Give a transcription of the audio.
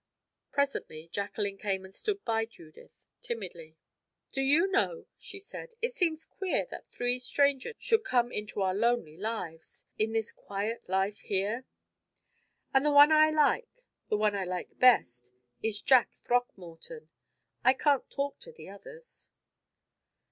Presently Jacqueline came and stood by Judith, timidly. "Do you know," she said, "it seems queer that three strangers should come into our lonely lives in this quiet life here? And the one I like the one I like best is Jack Throckmorton. I can't talk to the others."